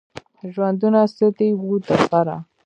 ژوندونه څه دی وه دلبره؟